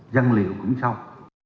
dân liều cũng xong